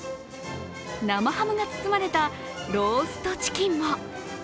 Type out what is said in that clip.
生ハムが包まれたローストチキンも。